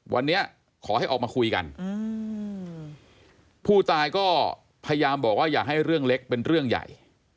วันนี้ขอให้ออกมาคุยกันผู้ตายก็พยายามบอกว่าอย่าให้เรื่องเล็กเป็นเรื่องใหญ่